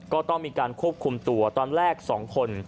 ก็ต้องมีการควบคุมตัวตอนแรก๒คน